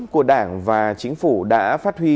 của đảng và chính phủ đã phát huy